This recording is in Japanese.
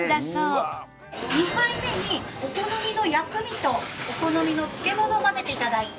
２杯目にお好みの薬味とお好みの漬け物を混ぜて頂いて。